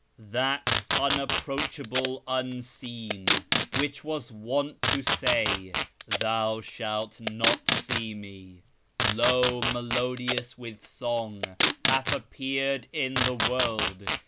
"That unapproachable Unseen, which was wont to say, 'Thou shalt not see Me,' Lo, melodious with song, hath appeared in the world